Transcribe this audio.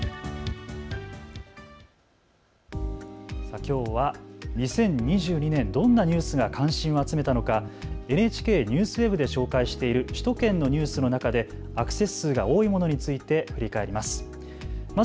きょうは２０２２年、どんなニュースが関心を集めたのかＮＨＫＮＥＷＳＷＥＢで紹介している首都圏のニュースの中でアクセス数が多いものについて振り返ります。